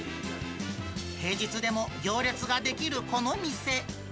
平日でも行列が出来るこの店。